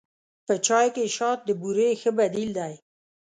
په چای کې شات د بوري ښه بدیل دی.